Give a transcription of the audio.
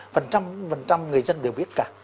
phần trăm phần trăm người dân đều biết cả